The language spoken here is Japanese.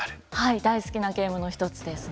大好きなゲームの一つですね。